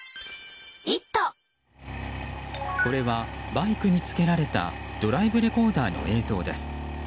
これはバイクにつけられたドライブレコーダーの映像です。